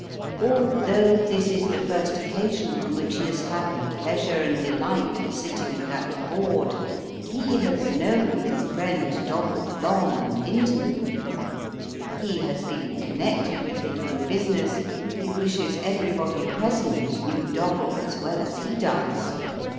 Although this is the first occasion on which ho has had the pleasure and delight of sitting at that board, he has known his friend Dobble long and intimately ; he has been connected with him in business he wishes everybody present knew Dobble as well as ho does.